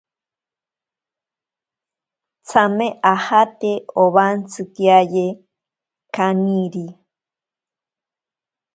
Tsame ajate owantsikiaye kaniri.